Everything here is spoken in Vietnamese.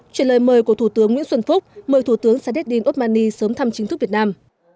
chuyển lời mời của thủ tướng nguyễn xuân phúc mời thủ tướng sadeddin osmani sớm thăm chính thức việt nam